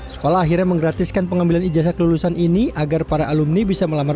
sekolah akhirnya menggratiskan pengambilan ijazah kelulusan ini agar para alumni bisa melamar